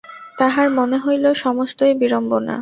তাহার মনে হইল সমস্তই বিড়ম্বনা।